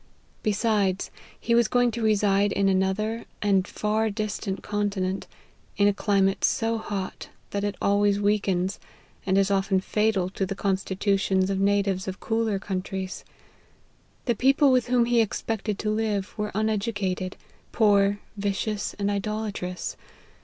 Besides, he was going to reside in another, and far distant continent, in a climate so hot, that it always weak ens, and is often fatal to the constitutions of natives of cooler countries. The people with whom he ex pected to live, were uneducated, poor, vicious, and idolatrous.